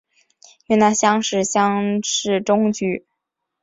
云南乡试乡试中举。